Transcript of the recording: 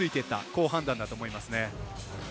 好判断だと思いますね。